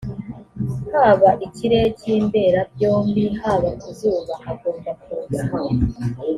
haba ikirere cy imberabyombi haba kuzuba agomba kuza